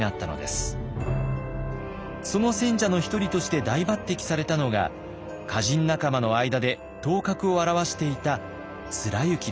その選者の一人として大抜擢されたのが歌人仲間の間で頭角を現していた貫之でした。